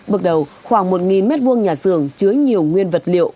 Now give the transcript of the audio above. bước đầu khoảng một m hai nhà xưởng chứa nhiều nguyên vật liệu